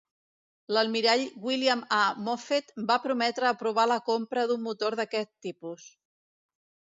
L'almirall William A. Moffett va prometre aprovar la compra d'un motor d'aquest tipus.